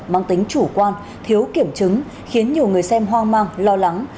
mang tính chủ quan thiếu kiểm chứng khiến nhiều người xem hoang mang lo lắng